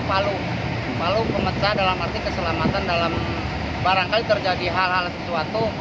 palu palu pemecah dalam arti keselamatan dalam barangkali terjadi hal hal sesuatu